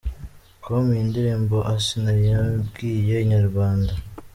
com iyi ndirimbo Asinah yabwiye Inyarwanda.